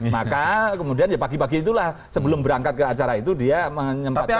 maka kemudian ya pagi pagi itulah sebelum berangkat ke acara itu dia menyempatkan